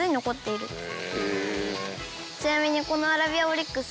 ちなみにこのアラビアオリックス。